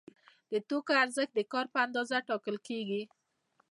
د توکو ارزښت د کار په اندازه ټاکل کیږي.